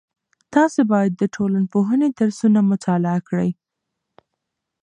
تاسې باید د ټولنپوهنې درسونه مطالعه کړئ.